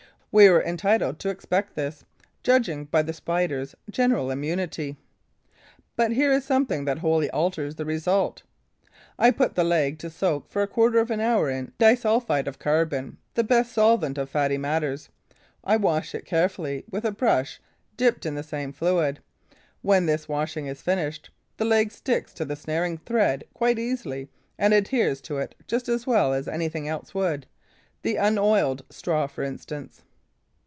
We were entitled to expect this, judging by the Spider's general immunity. But here is something that wholly alters the result. I put the leg to soak for a quarter of an hour in disulphide of carbon, the best solvent of fatty matters. I wash it carefully with a brush dipped in the same fluid. When this washing is finished, the leg sticks to the snaring thread quite easily and adheres to it just as well as anything else would, the unoiled straw, for instance.